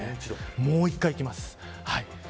もう１回きます。